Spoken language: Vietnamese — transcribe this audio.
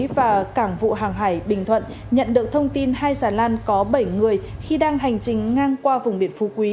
và cảng vụ hàng hải bình thuận nhận được thông tin hai xà lan có bảy người khi đang hành trình ngang qua vùng biển phú quý